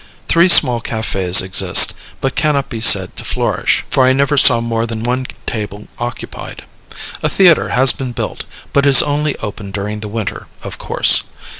Three small cafés exist, but cannot be said to flourish, for I never saw more than one table occupied. A theatre has been built, but is only open during the winter, of course.